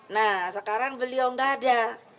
nah sekarang beliau nggak ada